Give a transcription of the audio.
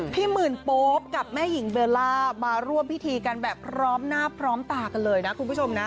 หมื่นโป๊ปกับแม่หญิงเบลล่ามาร่วมพิธีกันแบบพร้อมหน้าพร้อมตากันเลยนะคุณผู้ชมนะ